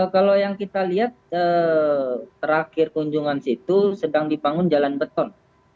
kalau yang kita lihat terakhir kunjungan situ sedang dibangun jalan beton